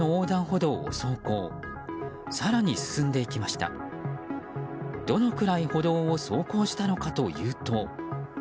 どのくらい歩道を走行したのかというと。